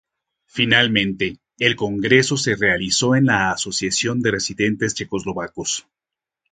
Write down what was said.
Finalmente el congreso se realizó en la Asociación de Residentes Checoslovacos.